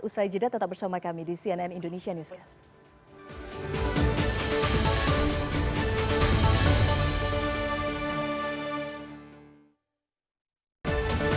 usai jeda tetap bersama kami di cnn indonesia newscast